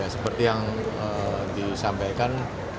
seperti yang disampaikan